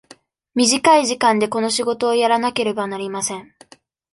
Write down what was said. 短い時間でこの仕事をやらなければなりません。